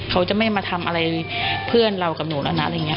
เขาจะไม่มาทำอะไรเพื่อนเรากับหนูแล้วนะอะไรอย่างนี้